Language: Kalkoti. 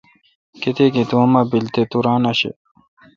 کتیک ایں تو ام بیل تہ تو ران آݭہ۔